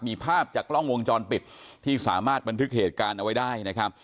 มีภาพจากกล้องวงจรปิดที่สามารถบันทึกเหตุการณ์เอาไว้ได้นะครับ